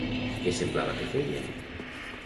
Què semblava que feien?